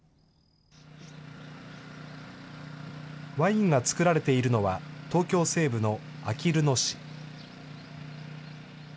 ワインが造られているのは、東京西部のあきる野市。